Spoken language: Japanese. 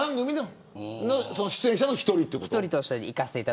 その出演者の１人ということで。